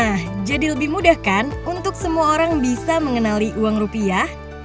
nah jadi lebih mudah kan untuk semua orang bisa mengenali uang rupiah